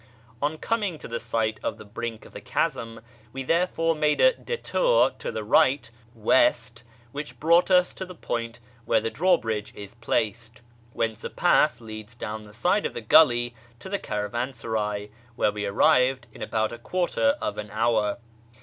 On coming in sight of the brink of the chasm we therefore made a detour to the right (west) which brought iis to the point where the drawbridge is placed, whence a path leads down the side of the gully to the caravan saray, where we arrived in about a quarter of an hour.